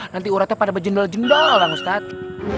nanti uratnya pada berjendol jendol lah ustadz